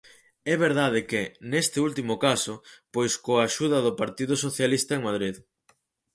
É verdade que, neste último caso, pois coa axuda do Partido Socialista en Madrid.